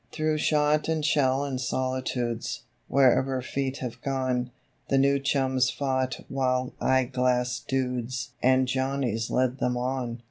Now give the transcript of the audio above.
Through shot and shell and solitudes, Wherever feet have gone, The New Chums fought while eye glass dudes And Johnnies led them on.